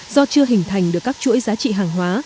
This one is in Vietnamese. do chưa hình thành được các chuỗi giá trị hàng hóa